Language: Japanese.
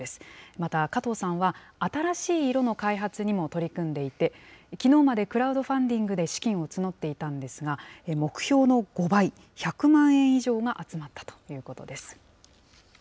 また加藤さんは、新しい色の開発にも取り組んでいて、きのうまでクラウドファンディングで資金を募っていたんですが、目標の５倍、１００万円以上が集まったということです。